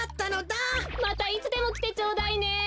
またいつでもきてちょうだいね。